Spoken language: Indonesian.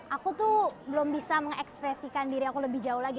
aku tuh belum bisa mengekspresikan diri aku lebih jauh lagi